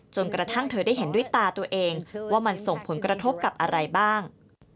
จนกระทั่งเธอได้เห็นด้วยตาตัวเองว่ามันส่งผลกระทบกับอะไรบ้าง